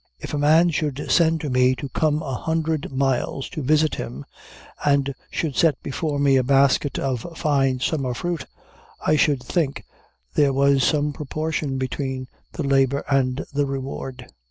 If a man should send to me to come a hundred miles to visit him, and should set before me a basket of fine summer fruit, I should think there was some proportion between the labor and the reward.